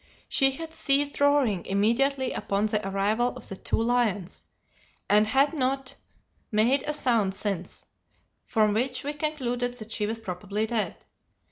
She had ceased roaring immediately upon the arrival of the two lions, and had not made a sound since, from which we concluded that she was probably dead.